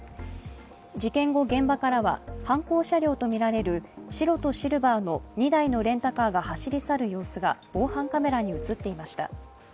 事件後、現場からは犯行車両とみられる白とシルバーの２台のレンタカーが走り去る様子が防犯カメラに映っていました。